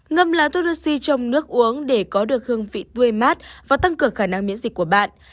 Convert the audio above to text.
ngâm là toroxi trong nước uống để có được hương vị tươi mát và tăng cường khả năng miễn dịch của bạn